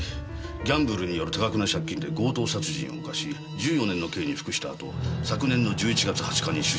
ギャンブルによる多額の借金で強盗殺人を犯し１４年の刑に服した後昨年の１１月２０日に出所しています。